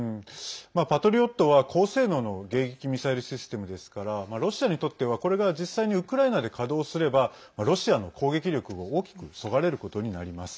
「パトリオット」は高性能の迎撃ミサイルシステムですからロシアにとっては、これが実際にウクライナで稼働すればロシアの攻撃力を大きくそがれることになります。